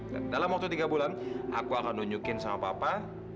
dan dalam waktu tiga bulan aku akan nunjukin sama papa